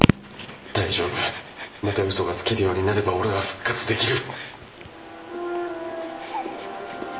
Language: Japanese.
大丈夫また嘘がつけるようになれば俺は復活できる！